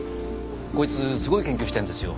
こいつすごい研究してるんですよ。